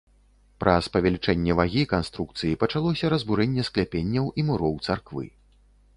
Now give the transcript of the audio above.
Праз павелічэнне вагі канструкцыі пачалося разбурэнне скляпенняў і муроў царквы.